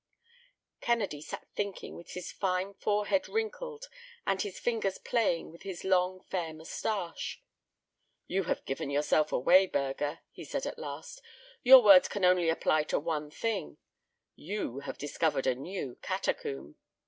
Kennedy sat thinking with his fine forehead wrinkled and his fingers playing with his long, fair moustache. "You have given yourself away, Burger!" said he at last. "Your words can only apply to one thing. You have discovered a new catacomb."